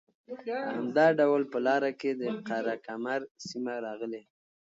همدا ډول په لاره کې د قره کمر سیمه راغلې